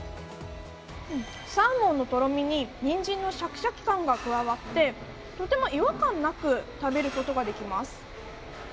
サーモンのとろみにニンジンのシャキシャキ感が加わってとても違和感なく食べることができます。